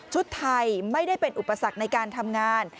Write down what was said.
ไทยไม่ได้เป็นอุปสรรคในการทำงาน